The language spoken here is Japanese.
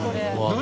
何？